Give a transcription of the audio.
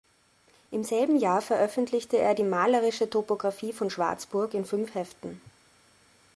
Im selben Jahr veröffentlichte er die „Malerische Topografie von Schwarzburg“ in fünf Heften.